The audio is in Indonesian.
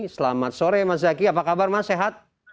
selamat sore mas zaky apa kabar mas sehat